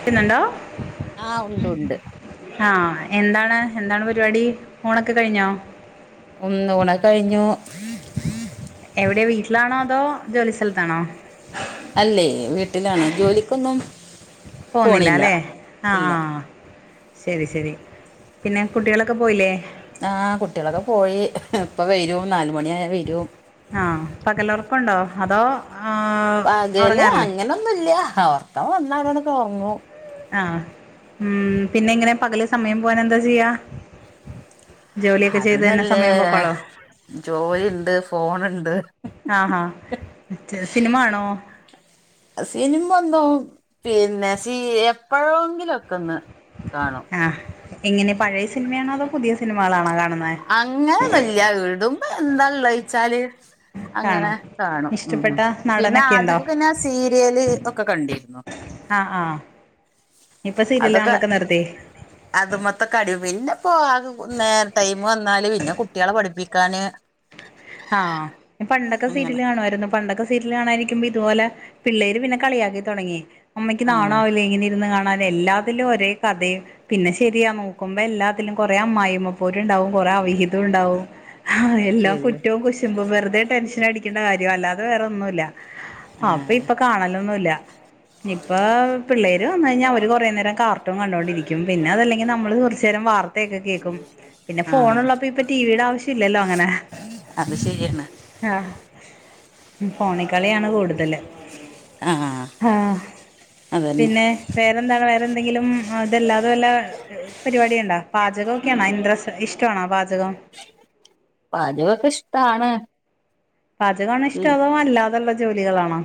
ക്കുന്നുണ്ടോ? ആഹ് ഉണ്ടുണ്ട്. ആഹ് എന്താണ് എന്താണ് പരിപാടി. ഊണൊക്കെ കഴിഞ്ഞോ? ഉം ഊണൊക്കെ കഴിഞ്ഞു. എവിടെ വീട്ടിലാണോ അതോ ജോലി സ്ഥലത്താണോ? അല്ലേ വീട്ടിലാണ് ജോലിക്കൊന്നും പോന്നില്ല പോണില്ല അല്ലേ ആഹ് ഇല്ല ആഹ് ശരി ശരി. പിന്നെ കുട്ടികളൊക്കെ പോയില്ലേ ആഹ് കുട്ടികളൊക്കെ പോയി. ഇപ്പ വരും നാലുമണിയായ വരും ആഹ് പകലൊറക്കം ഒണ്ടോ അതോ ആഹ് പകല് ഉറങ്ങാറില്ലേ അങ്ങനൊന്നുല്ല. ഒറക്കം വന്നാ കെടന്ന് ഒറങ്ങും. ആഹ് ഉം പിന്നെ ഇങ്ങനെ പകല് സമയം പോവാൻ എന്താ ചെയ്യാ? ജോലിയൊക്കെ ചെയ്ത് തന്നെ അതിനല്ലേ സമയം പോക്കോളോ ജോലിണ്ട് ഫോണിണ്ട് ആഹ് ആഹ്. സിനിമ കാണോ? സിനിമൊന്നും പിന്നെ സീ എപ്പഴോങ്കിലൊക്കെ ഒന്ന് കാണും. ആഹ്. എങ്ങനെ പഴയ സിനിമയാണോ അതോ പുതിയ സിനിമകളാണോ കാണുന്നേ? അങ്ങനൊന്നുല്ല വിടുമ്പോ എന്തള്ളേന്ന് വെച്ചാല് അങ്ങനെ കാണും കാണും ഉം ഉം ഇഷ്ടപ്പെട്ട പിന്നെ നടനൊക്കെ ഉണ്ടോ ആദ്യക്കെ പിന്നെ സീരിയല് ഒക്കെ കണ്ടിരുന്നു. ആഹ് ആഹ്. ഇപ്പ സീരിയല് കാണലൊക്കെ നിർത്തി അതുമ്മത്തെ കടി പിന്നെ പോ ആ നേര ടൈം വന്നാല് പിന്നെ കുട്ടികളെ പഠിപ്പിക്കാന് ആഹ് പണ്ടൊക്കെ അങ്ങനെ സീരീല് കാണുമായിരുന്നു. പണ്ടൊക്കെ സീരീല് കാണാനിരിക്കുമ്പ ഇതുപോലെ പിള്ളേര് പിന്നെ കളിയാക്കി തൊടങ്ങി. ഉമ്മിക്ക് ആഹ് നാണാവില്ലേ ഇങ്ങനെ ഇരുന്ന് കാണാന് എല്ലാത്തിലും ഒരേ കഥയും പിന്നെ ശെരിയാ നോക്കുമ്പ എല്ലാത്തിലും കൊറേ അമ്മായമ്മ പോര്ണ്ടാവും കൊറേ അവിഹിതണ്ടാവും ആഹ് അത് എല്ലാം ശരി കുറ്റോം കുശുമ്പും വെറുതെ ടെൻഷനടിക്കേണ്ട കാര്യം അല്ലാതെ വേറെ ഒന്നുല്ല അപ്പ ആഹ് ഇപ്പൊ കാണലൊന്നുല്ല. ഇപ്പൊ പിള്ളേര് വന്ന് കഴിഞ്ഞാൽ അവര് കുറേ നേരം കാർട്ടൂൺ കണ്ടോണ്ടിരിക്കും പിന്നെ അതല്ലെങ്കിൽ നമ്മള് കുറച്ചു നേരം വാർത്ത [unintelligible] കേൾക്കും പിന്നെ ആഹ് ഫോണുള്ളപ്പോ ഇപ്പൊ ടിവിയുടെ ആവശ്യം ഇല്ലല്ലോ അങ്ങനെ അത് ശരി തന്നാ ആഹ് ഫോണിക്കളിയാണ് കൂടുതല് ആഹ് ആഹ് അതന്നെ പിന്നെ വേറെന്താണ് വേറെ എന്തെങ്കിലും ഇതല്ലാതെ വല്ല പരിപാടി ഉണ്ടോ പാചകം [unintelligible] ഇന്റെരെസ്റ്റ്‌ ‌ ഇഷ്ടമാണോ പാചകം പാചകൊക്കെ ഇഷ്ടാണ് പാചകമാണോ ഇഷ്ട അതോ അല്ലാതുള്ള ജോലികളാണോ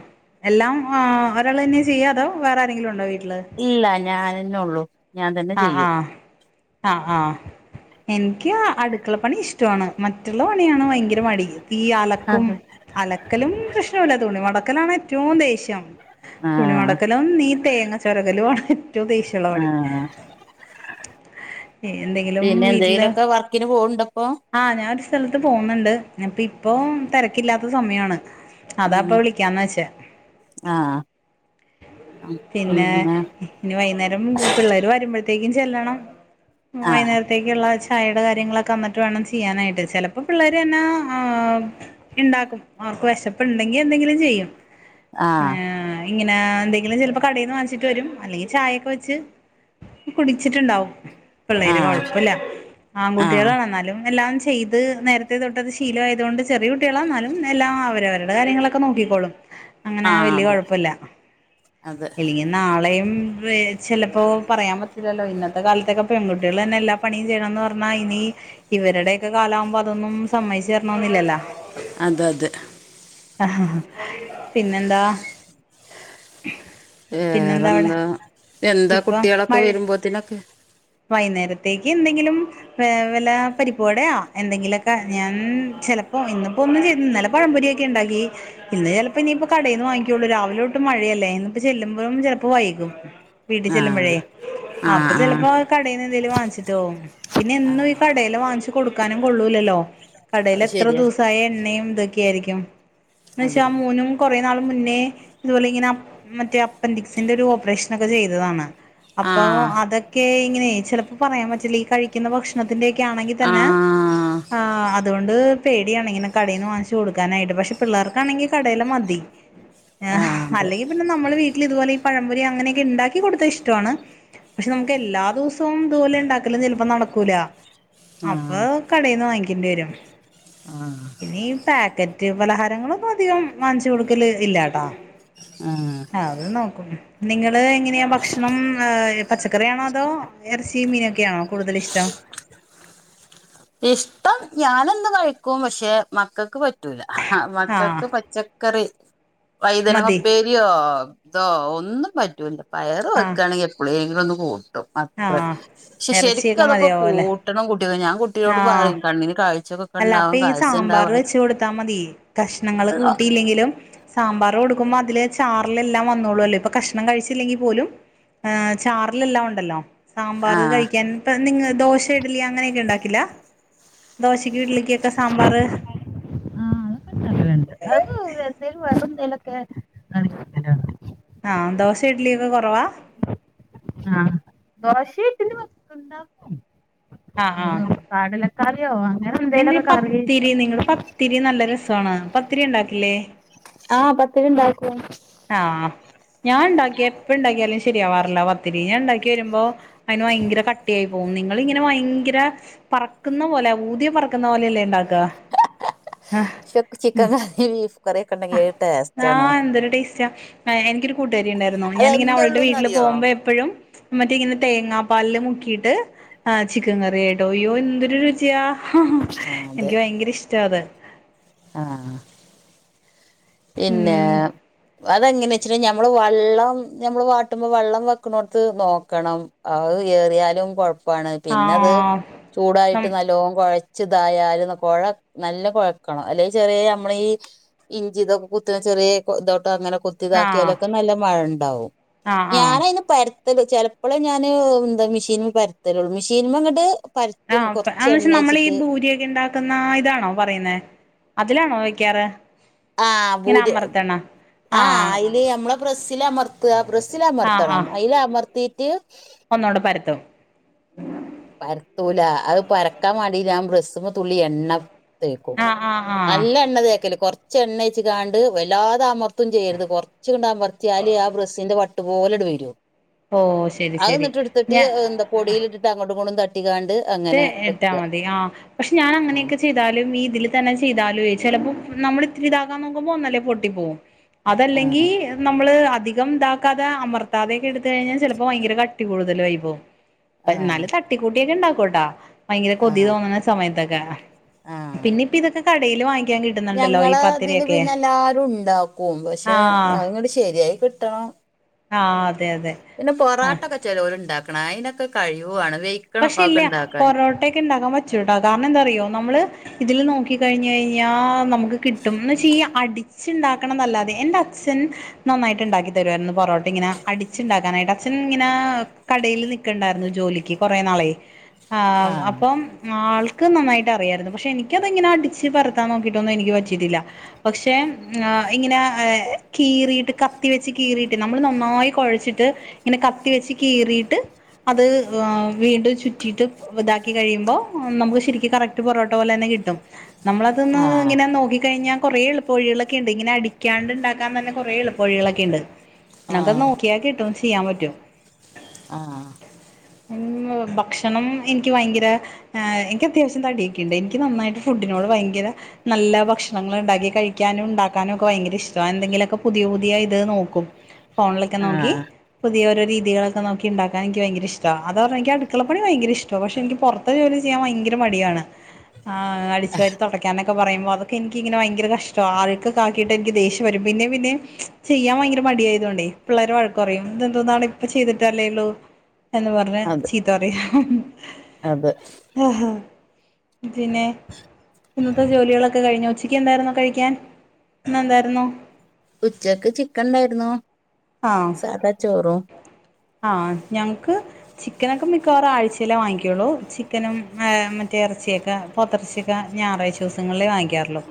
എല്ലാം ആഹ് ഒരാൾ തന്നെയ ചെയ്യാ അതോ വേറെ ആരെങ്കിലും ഉണ്ടോ വീട്ടില് ഇല്ല ഞാനെ ഉള്ളൂ ആഹ് ആഹ് ആഹ് ആഹ് എനിക്ക് അടുക്കളപ്പണി ഇഷ്ട ഇഷ്ടമാണ് മറ്റുള്ള പണിയാണ് ഭയങ്കര മടി ഈ അലക്കും അതെ അലക്കലും പ്രശ്നമില്ലാത്തോണി മടക്കലാണ് ഏറ്റവും ദേഷ്യം ആഹ് തുണിമടക്കലും ഈ തേങ്ങ ചുരകലും ആണ് ഏറ്റവും ദേഷ്യം ആഹ് ആഹ് എന്തെങ്കിലും പിന്നെ വീട്ടില് എന്തെങ്കിലുമൊക്കെ വർക്കിന് പോവ്ണ്ടപ്പൊ ആഹ് ഞാൻ ഒരു സ്ഥലത്ത് പോകുന്നുണ്ട് അപ്പ ഇപ്പൊ തിരക്കില്ലാത്ത സമയമാണ് അതാ ഉം ഇപ്പൊ വിളിക്കാന്ന് വച്ചേ ആഹ് പിന്നെ ഇനി വൈകുന്നേരം പിള്ളേർ വരുമ്പോഴത്തേക്കും ചെല്ലണം ആഹ് വൈകുന്നേര ത്തേക്കുള്ള ചായയുടെ കാര്യങ്ങളൊക്കെ എന്നിട്ട് വേണം ചെയ്യാനായിട്ട് ചിലപ്പോ പിള്ളേര് തന്നെ ആഹ് ഉണ്ടാക്കും അവർക്ക് വിശപ്പ് ഉണ്ടെങ്കിൽ എന്തെങ്കിലും ചെയ്യും ആഹ് ഇങ്ങനെ എന്തെങ്കിലും ചിലപ്പോ കടയിൽന്ന് വാങ്ങിച്ചിട്ട് വരും അല്ലെങ്കിൽ ചായയൊക്കെ വെച്ച് കുടിച്ചിട്ടുണ്ടാവും പിള്ളേര് ആഹ് കുഴപ്പില്ല ആഹ് ആൺകുട്ടികളാണ് എന്നാലും എല്ലാം ചെയ്യും അത് നേരത്തെ തൊട്ട് അത് ശീല ആയത്കൊണ്ട് ചെറിയ കുട്ടികളാ എന്നാലും എല്ലാം അവരവര അവരുടെ കാര്യങ്ങൾ ഒക്കെ നോക്കിക്കോളും അങ്ങനെ വലിയ ആഹ് അതെ കുഴപ്പമില്ല അതെ നാളെയും ചിലപ്പോൾ പറയാൻ പറ്റില്ലല്ലോ ഇന്നത്തെ കാലത്തൊക്കെ പെൺകുട്ടികൾ തന്നെ എല്ലാ പണിയും ചെയ്യണന്ന് പറഞ്ഞാൽ ഇനി ഇവരുടെയൊക്കെ കാലാമാകുമ്പോ അതൊന്നും സമ്മതിച്ചു തരണന്നില്ലല്ലോ. അതെ അതെ. പിന്നെന്താ. പിന്നെന്താ അവിടെ വേറെന്താ എന്താ ഇപ്പൊ കുട്ടികളൊക്കെ മഴ വരുമ്പോത്തിനൊക്കെ? വൈകുന്നേരത്തേക്ക് എന്തെങ്കിലും. [unintelligible] പരിപ്പോടെയാ എന്തെങ്കിലുമൊക്കെ ഞാൻ ചിലപ്പോ ഇന്നിപ്പോ ഒന്നും ചെയ്തില്ല ഇന്നലെ പഴംപൊരി ഉണ്ടാക്കി. ഇന്ന് ചിലപ്പോ ഇനിയിപ്പ കടയിൽ നിന്ന് വാങ്ങിക്കുള്ളൂ രാവിലോട്ട് മഴയല്ലേ ഇന്ന് ഇപ്പ ചെല്ലുമ്പോഴും ചിലപ്പോ വൈകും. വീട്ടിൽ ആഹ് ചെല്ലുമ്പോഴേ ആഹ് അപ്പൊ ആഹ് ചെലപ്പോ കടയിന്ന് എന്തേലും വാങ്ങിച്ചിട്ട് പോകും പിന്നെ എന്നും ഈ കട ഡേയ്ലി വാങ്ങിച്ച് കൊടുക്കാനും കൊള്ളൂലല്ലോ കടയിൽ അത് എത്ര ശരിയാ ദിവസമായ എണ്ണയും ഇതൊക്കെ ആയിരിക്കും. അതന്നെ [unintelligible] കുറേ നാൾ മുന്നേ ഇതുപോലെ ഇങ്ങനെ മറ്റേ അപ്പെന്റീക്സിൻ്റെ ഒരു ഓപ്പറേഷൻ ഒക്കെ ചെയ്തതാണ്. അപ്പൊ ആഹ് അതൊക്കെ ഇങ്ങനെ ചിലപ്പോ പറയാൻ പറ്റില്ല ഈ കഴി കഴിക്കുന്ന ഭക്ഷണത്തിന്റെയൊക്കെ ആണെങ്കിൽ തന്നെ. ആഹ് ആഹ് അതു കൊണ്ട് പേടിയാണ് ഇങ്ങനെ കടയിൽ നിന്ന് വാങ്ങിച്ച് കൊടുക്കാനായിട്ട് പക്ഷെ പിള്ളേർക്കാണെങ്കിൽ കടയിലെ മതി ആഹ് അതെ അല്ലെങ്കി പിന്നെ നമ്മള് വീട്ടില് ഇതുപോലെ ഈ പഴം പൊരി അങ്ങനെയെക്കെ ഇണ്ടാക്കി കൊടുത്താ ഇഷ്ട്ടവാണ്. പക്ഷെ നമ്മക്ക് എല്ലാ ദിവസവും ഇതുപോലെ ഇണ്ടാക്കലും ചെലപ്പം നടക്കൂലാ. അപ്പൊ ആഹ് കടയിന്ന് വാങ്ങിക്കേണ്ടി വരും. ആഹ്. ഈ പാക്കറ്റ് പലഹാരങ്ങളൊന്നും അധികം വാങ്ങിച്ചു കൊടുക്കല് ഇല്ലാട്ടാ. ആഹ് അത് നോക്കു [unintelligible] നിങ്ങള് എങ്ങനെയാ ഭക്ഷണം ഏഹ് പച്ചക്കറിയാണോ അതോ എറച്ചിയും മീനൊക്കെയാണോ കൂടുതൽ ഇഷ്ടം. ഇഷ്ട്ടം ഞാന് എന്തും കഴിക്കും പക്ഷെ മക്കക്ക് പറ്റൂലാ ആഹ് മക്കക്ക് പച്ച കറി വൈതനങ്ങ മതി ഉപ്പേരിയോ ഇതോ ഒന്നും പറ്റൂല്ലാ പയറ് ആഹ് വെക്കാണെങ്കി എപ്പളേങ്കിലും ഒന്ന് പോവും ട്ടും അത്ര ആഹ് പക്ഷെ ശരിക്കും ഇറച്ചിയൊക്കെ അതൊക്കെ മതിയാവുല്ലേ കൂട്ടണം കുട്ടി ഞാൻ കുട്ടിയോട് ആഹ് പറയും കണ്ണിന് കാഴ്ചൊക്കെ അല്ല അപ്പൊ ഉണ്ടാവും ഈ കാഴ്ച സാമ്പാറ് ഉണ്ടാവാൻ വെച്ച് കൊടുത്താ മതി കഷ്ണങ്ങള് ആഹ് കൂട്ടിയില്ലെങ്കിലും സാമ്പാറ് കൊടുക്കുമ്പോ അതില് ചാറിലെല്ലാം വന്നോള്ളൂല്ലോ ഇപ്പൊ കഷണം കഴിച്ചില്ലെങ്കിൽ പോലും ആഹ് ചാറിലെല്ലാം ഉണ്ടല്ലോ. സാമ്പാറ് ആഹ് കഴിക്കാൻ ഇപ്പ നിങ്ങ ദോശ ഇഡലി അങ്ങനെയൊക്കെ ഇണ്ടാക്കില്ലാ. ക്കു ഇഡ്ലിക്കൊക്കെ സാമ്പാറ് ആഹ് അതൊക്കെ ഇണ്ടാക്കല്ണ്ട് അത് എന്തേലും വേറെ എന്തേലൊക്കെ ആഹ് ദോശ ഇഡ്ലി ഒക്കെ കൊറവാ. ആഹ്. ദോശേം ഇഡ്ലി [unintelligible] ഇണ്ടാക്കും ആഹ് ആഹ്. കാടലക്കാറിയോ അങ്ങനെന്ത് നിങ്ങള് പത്തിരി നിങ്ങള് പത്തിരി നല്ല രസവാണ് പത്തിരി ഇണ്ടാക്കില്ലേ? ആഹ് പത്തിരി ഇണ്ടാക്കും. ആഹ് ഞാൻ ഇണ്ടാക്കിയാ എപ്പ ഇണ്ടാക്കിയാലും ശരിയാവാറില്ലാ പത്തിരി ഞാൻ ഇണ്ടാക്കി വരുമ്പോ അയിന് ഭയങ്കര കട്ടിയായി പോവും നിങ്ങ് നിങ്ങൾ ഇങ്ങനെ ഭയങ്കര പറക്കുന്ന പോലെ ഊതിയാ പറക്കുന്ന പോലെയല്ലേ ഇണ്ടാക്കാ ആഹ് പക്ഷെ ഉം ചിക്കൻ കറി ബീഫ് കറിയൊക്കെ ഉണ്ടെങ്കി ആഹ് ഒരു ടേസ്റ്റ് ആണ് ആഹ് എന്തൊരു ടേസ്റ്റ് റ്റാ ഏഹ് എനിക്കൊരു കൂട്ടുകാരി ഉണ്ടായിരുന്നു ഞാനിങ്ങനെ അവളുടെ വീട്ടില് അതെന്തുള്ളൂന്നറിയോ പോകുമ്പോ എപ്പഴും മറ്റേ ഇങ്ങനെ തേങ്ങാപ്പാലില് മുക്കിയിട്ട് ആഹ് ചിക്കൻ കറി ആയിട്ട് അയ്യോ എന്തൊരു രുചിയാ. ആഹ് അതെ എനിക്ക് ഭയങ്കര ഇഷ്ട്ടാ അത്. ആഹ്. പിന്നെ ഉം അതെങ്ങനെ വെച്ച്ണ്ടെ ഞമ്മള് വെള്ളം ഞമ്മള് വാട്ടുമ്പോ വെള്ളം വെക്കണോടത്ത് നോക്കണം അത് ഏറിയാലും കൊഴപ്പാണ് പിന്നെ അത് ആഹ് നം ചൂടായിട്ട് നല്ലോം കൊഴച്ച് ച്ച്തായാല് നൽ കൊഴ നല്ല കൊഴക്കണം അല്ലെങ്കി ചെറിയ ഞമ്മളീ ഞ്ചിതൊക്കെ കുത്ത്ന്ന ചെറിയേ കൊ ഇതോട്ടങ്ങനെ കുത്ത് ആഹ് ത്തിതാക്കിയാലൊക്കെ നല്ല മഴ ഇണ്ടാവും ആഹ് ആഹ് ഞാനതിന് പരത് ത്തല് ചെലപ്പളേ ഞാന് എന്താ മെഷീൻ പരുത്തലുള്ളൂ മെഷീൻന്ന്ങ്ങട്ട് ആഹ് അന്താച്ചാ നമ്മള് ഈ ഭൂരിയൊക്കെ ഇണ്ടാക്ക് ത്തുന്ന ഇതാണോ പറയുന്നേ അതിലാണോ വെക്കാറ് ഇങ്ങനെ അമർത്തണം ആഹ് അയില് ഞമ്മളെ പ്രസ്സില് അമർത്താ പ്രസ്സില് ആഹ് അമർത്തണം ആഹ് അയില് അമർത്തീറ്റ് ഒന്നൂടെ പരത്തും പരത്തൂല അത് പരക്കാൻ മാണ്ടി ഞൻ ബ്രസ്സ്മെ തുള്ളി എണ്ണ തേക്കും. ആഹ് ആഹ് ആഹ് നല്ല എണ്ണ തേക്കല് കൊറച്ച് എണ്ണേച്ച്കാണ്ട് വല്ലാതമർ ത്തും ചെയ്യരുത് കൊറച്ച്ങ്ങട്ടമറ്ത്തില് ആ ബ്രസ്സിന്റെ വട്ട്പോലെണ്ട് വരും ഓഹ് ശരി അത് ശരി ഇന്ന്ട്ത്ത്ട്ട് ഞാ ഏഹ് എന്താ പൊടിലിട്ടിട്ട് അങ്ങോട്ടും ഇങ്ങട്ടും തട്ടിക്കാണ്ട് ത്ക്കെ അങ്ങനെ ഇട്ടാ വെക്കുക മതി ആഹ് പക്ഷെ ആ ഞാനങ്ങനെയൊക്കെ ചെ ചെയ്താലും ഈ ഇതിൽ തന്നെ ചെയ്താലും ഈ ഇതില് തന്നെ ചെയ്താലേ ചെലപ്പം നമ്മള് ഇത്തിരി ഇതാക്കാൻ നോക്കുമ്പോ ഒന്നല്ലേ പൊട്ടി പോകും ആ അതല്ലെങ്കി നമ്മള് അധികം ഇതാക്കാതെ അമർത്താതെക്കെ എടുത്ത് കഴിഞ്ഞാൽ ചെലപ്പോ ഭയങ്കര കട്ടി കൂടുതലായി പോവും ആ എന്നാലും തട്ടിക്കൂട്ടിയക്കെ ഇണ്ടാക്കുട്ടാ ഭയങ്കര കൊതി ആ തോന്നണ സമയത്തൊക്കെ ആഹ് പിന്നെ ഇപ്പിതൊക്കെ കടേല് വാങ്ങ ഞങ്ങളെ ഇതില് പിന്നെ എല്ലാരും ഇണ്ടാക്കും പക്ഷെ ആഹ് അതങ്ങട്ട ശെരിയായി കിട്ടണം ആഹ് അതെ അതെ. പിന്നെ ആ പൊറാട്ടൊക്കെ ചെലോല് ഇണ്ടാക്ക്ണ അയിനൊക്കെ കഴിവ് വാണം പക്ഷെ ഇല്ല പൊറോ ട്ടയ്ക്കെ ഇണ്ടാൻ പറ്റൂട്ടാ കാരണം എന്താറിയോ നമ്മള് ഇതില് നോക്കി കഴിഞ്ഞ് കഴിഞ്ഞാ നമുക്ക് കിട്ടും എന്ന് വെച്ച അടിച്ച്ണ്ടാക്കണം നല്ലാതെ എന്റെ അച്ഛൻ നന്നായിട്ട് ഇണ്ടാക്കി തരുവായിരുന്നു. പൊറോട്ടിങ്ങനെ അടിച്ച്ണ്ടാക്കാനായിട്ട് അച്ഛൻ ഇങ്ങനെ കടേല് നിക്കണ്ടായിരുന്നു ജോലിക്ക് കുറേ നാളേ ആഹ് അപ്പം ആൾക്ക് നന്നായിട്ട് അറിയായിരുന്നു, പക്ഷെ എനിക്കതെങ്ങനെ അടിച്ച് പെരത്താൻ നോക്കിയിട്ടൊന്നും എനിക്ക് പറ്റിയിട്ടില്ല പക്ഷെ ആഹ് ഇങ്ങനെ ഏഹ് കീറിയിട്ട് കത്തി വെച്ച് കീറിയിട്ട് നമ്മള് നന്നായി കൊഴച്ചിട്ട് ഇങ്ങനെ കത്തി വെച്ച് കീറിയിട്ട് അത് ഏഹ് വീണ്ടും ചുറ്റീട്ട് ഇതാക്കി കഴിയുമ്പോ നമുക്ക് ശെരിക്കും കറക്റ്റ് പൊറോട്ട പോലെ തന്നെ കിട്ടും. നമ്മളതൊന്ന് ആഹ് ഇങ്ങനെ നോക്കി കഴിഞ്ഞാ കൊറെേ എളു പൊഴിയേളൊക്കെ ഇണ്ട് ഇങ്ങനെ അടിക്കാണ്ട് ഇണ്ടാക്കാൻ തന്നെ കുറേ എളുപ്പ വഴികളൊക്കെണ്ട് പിന്നെന്താ ആഹ് നോക്കിയാൽ കിട്ടും ചെയ്യാൻ പറ്റും ആഹ് ഹ്മ്മ് ഭക്ഷണം എനിക്ക് ഭയങ്കര ഏഹ് എനിക്ക് അത്യാവിശ്യം തടിയൊക്കെയ്ണ്ട് എനിക്ക് നന്നായിട്ട് ഫുഡിനോട് ഭയങ്കര നല്ല ഭക്ഷണങ്ങളിണ്ടാക്കി കഴിക്കാനും ഇണ്ടാക്കാനൊക്കെ ഭയങ്കര ഇഷ്ടവാ എന്തെങ്കിലൊക്ക പുതിയ പുതിയ ഇത് നോക്കും ഫോണിലൊക്കെ നോക്കി ആഹ് പുതിയഓരോ രീതികളൊക്കെ നോക്കി ഇണ്ടാക്കാൻ എനിക്ക് ഭയങ്കര ഇഷ്ടവാ അതാ പറഞ്ഞെ എനിക്ക് അടുക്കളപ്പണി ഭയങ്കര ഇഷ്ടമാ പക്ഷെ എനിക്ക് പൊറത്ത് ജോലി ചെയ്യൻ ഭയങ്കര മടിയാണ്. ആഹ് അടിച്ചു വാരി തുട ക്കാനൊക്കെ പറയുമ്പോ അതൊക്കെ എനിക്ക് ഇങ്ങനെ ഭയങ്കര കഷ്ടവാ അഴുക്കകാക്കിയിട്ടാ എനിക്ക് ദേഷ്യം വരും പിന്നെ പിന്നെ ചെയ്യാൻ ഭയങ്കര മടിയായതോണ്ടേ പിള്ളേരെ വഴക്ക് പറയും ഇതെന്തോന്നാടാ ഇപ്പ ചെയ്തിട്ടല്ലേള്ളു എന്ന് പറിം അങ്ങനെ ചീത്ത പറിം [inaudible] അതെ. ആഹ് പിന്നെ ഇന്നത്തെ ജോലിയേളൊക്കെ കഴിഞ്ഞോ ഉച്ചക്കേന്തായിരുന്നോ കഴിക്കാൻ ഇന്ന് എന്തായിരുന്നു ഉച്ചക്ക് ചിക്കൻണ്ടായിരുന്നു ആഹ് സാധാ ചോറും. ആഹ് ഞങ്ങക്ക് ചിക്കനൊക്കെ മിക്കവാറും ആഴ്ച്ചേല്ലേ വാങ്ങിക്കൊള്ളൂ ചിക്കനും മറ്റേ എറച്ചിയൊക്കെ പോത്തർച്ചിയൊക്കെ ഞായറാഴ്ച്ച ദിവസങ്ങളിലേ വാങ്ങിക്കാറൊള്ളൂ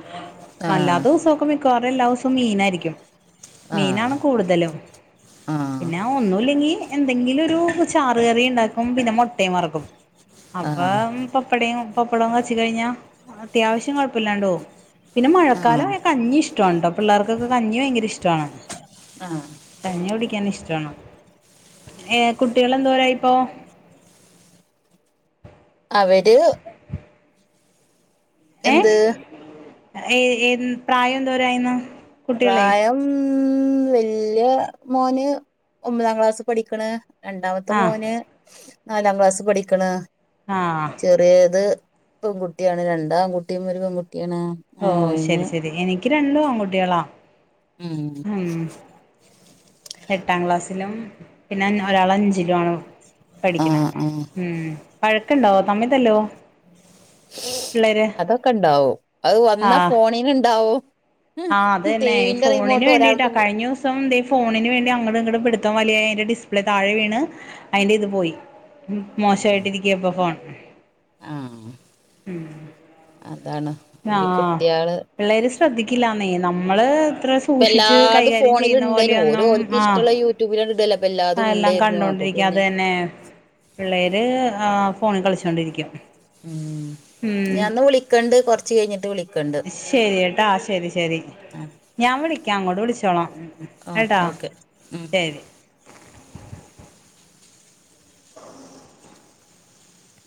ആഹ് അല്ലാത്ത ദിവസൊക്കെ മിക്കവാറും എല്ലാ ദിവസവും മീനായിരിക്കും, ആഹ് മീനാണ് കൂട്തലും ആഹ്. ആഹ് ഒന്നുല്ലെങ്കി എന്തെങ്കിലൊരു ചാറുകറി ഇണ്ടാക്കും പിന്നെ മൊട്ടയും വറ്ക്കും. അപ്പൊ ആഹ് പപ്പടയും പപ്പടവും കച്ചി കഴിഞ്ഞാ അത്യാവശ്യം കൊഴപ്പില്ലാണ്ട് പോവും പിന്നെ ആഹ് മഴക്കാലം ആയ കഞ്ഞി ഇഷ്ടട്ടോ പിള്ളേർക്കൊക്കെ കഞ്ഞി ഭയങ്കര ഇഷ്ടമാണ് ആഹ് കഞ്ഞി കുടിക്കാൻ ഇഷ്ടണ ഏഹ് കുട്ടികൾ എന്തോര ആയി ഇപ്പോ അവര് എന്ത് ഏ ഏ പ്രായം എന്തോരായിന്ന പ്രായം വല്യ മോന് ഒമ്പതാം ക്ലാസ്സ് പഠിക്കണ രണ്ടാമത്തെ ആ മോന് നാലാം ക്ലാസ് പഠിക്കണ് ആഹ് ചെറിയത് പെൺകുട്ടിയാണ് രണ്ടാം പൺകുട്ടിയും ഒരു പെൺകുട്ടിയണ ഓ ശരി ശരി എനിക്ക് രണ്ടു ആൺകുട്ടികളാ ഉം എട്ടാം ക്ലാസ്സിലും പിന്നെ ഒരാള് അഞ്ചിലും ആണ് ആ പഠിക്കണ ആ ഉം വഴക്കുണ്ടാവോ തമ്മിതല്ലോ പിള്ളേര് വഴക്ക് ഇണ്ടാവോ അത് വന്നാ ആഹ് ഫോണിന് ഉണ്ടാവോ ആഹ് അത് തന്നെ ഫോണിന് വേണ്ടിട്ടാ ഒരാൾക്ക് കഴിഞ്ഞ ദിവസം ഇപ്പം എന്ത ഫോണിന് വേണ്ടി അങ്ങട് ഇങ്ങട്ട് പിടിത്തം വലിയ അതിന്റെ ഡിസ്പ്ലേ താഴെ വീണ് അതിന്റെ ഇത് പോയി മോശായിട്ടിരിക്ക ഇപ്പ ഫോൺ ആഹ് അതാണ് ഈ ആഹ് കുട്ടികള് പിള്ളേര് ശ്രദ്ധിക്കില്ലന്ന നമ്മള് ഇത്ര ഇപ്പ സൂക്ഷിച്ച് എല്ലാതും കൈകാര്യം ഫോണിൽ ചെയ്യുന്ന ഉണ്ടേനു ഓര് പോലെയൊന്നും ഓൽക്ക് ഇഷ്ടമുള്ള യൂട്യൂബിലാണ്ട് ഇടല്ലേ അപ്പൊ ആഹ് എല്ലാതും എല്ലാം ഉണ്ടായിരുന്നു അപ്പൊ കണ്ടോണ്ടിരിക്ക അത് പിന്നെ തന്നെ പിള്ളേര് ആഹ് ഫോണിൽ കളിച്ചോണ്ടിരിക്കും ഉം ഉം ഞാനന്ന് വിളിക്കണ്ട് കൊറച്ച് കഴിഞ്ഞിട്ട് വിളിക്ക ശരി കേട്ടോ ശരി ശരി ആ ഞാൻ വിളിക്കാം അങ്ങോട്ട് വിളിച്ചോളാം ആ കേട്ടോ ഓക്കെ ഉം ശരി